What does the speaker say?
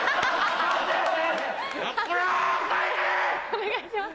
お願いします。